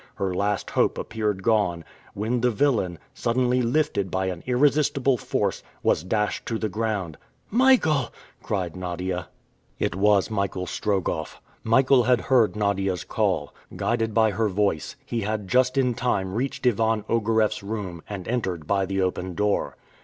Her last hope appeared gone, when the villain, suddenly lifted by an irresistible force, was dashed to the ground. "Michael!" cried Nadia. It was Michael Strogoff. Michael had heard Nadia's call. Guided by her voice, he had just in time reached Ivan Ogareff's room, and entered by the open door.